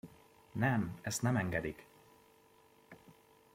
Nem, ezt nem engedik!